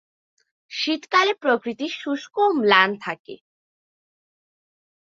শীতকালে প্রকৃতি শুষ্ক ও ম্লান থাকে।